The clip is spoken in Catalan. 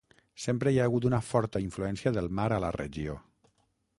Sempre hi ha hagut una forta influència del mar a la regió.